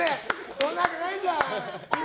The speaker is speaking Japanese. そんなわけないじゃん！